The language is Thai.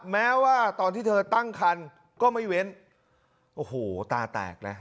แม้ว่าตอนที่เธอตั้งคันก็ไม่เว้นโอ้โหตาแตกนะ